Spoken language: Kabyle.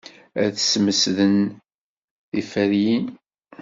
Ad tesmesdem tiferyin.